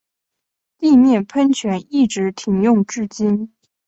地面喷泉一直停用至今。